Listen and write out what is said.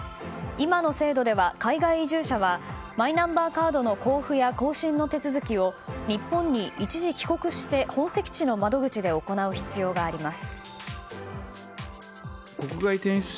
今の制度では海外移住者はマイナンバーカードの交付や更新の手続きを日本に一時帰国して本籍地の窓口で行う必要があります。